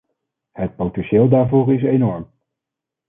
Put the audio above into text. Het potentieel daarvoor is enorm.